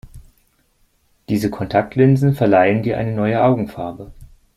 Diese Kontaktlinsen verleihen dir eine neue Augenfarbe.